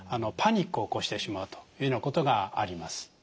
パニックを起こしてしまうというようなことがあります。